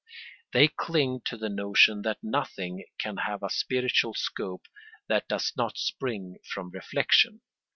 They cling to the notion that nothing can have a spiritual scope that does not spring from reflection.